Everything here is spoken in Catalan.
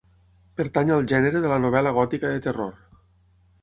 Pertany al gènere de la novel·la gòtica de terror.